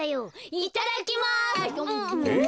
いただきます。